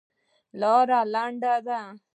لاره لنډه ده.